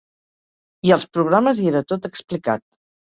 I als programes hi era tot explicat.